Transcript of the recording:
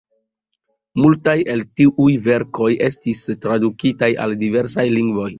Multaj el tiuj verkoj estis tradukitaj al diversaj lingvoj.